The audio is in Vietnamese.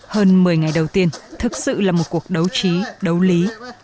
hơn một mươi ngày đầu tiên thực sự là một cuộc đấu trí đấu lý